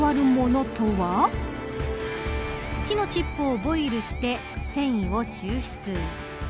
木のチップをボイルして繊維を抽出。